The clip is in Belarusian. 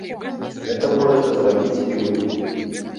Гэта можаце зрабіць і вы!